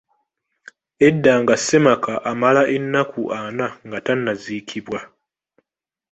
Edda nga ssemaka amala ennaku ana nga tannaziikibwa